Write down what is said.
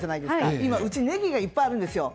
今、うちはネギがいっぱいあるんです。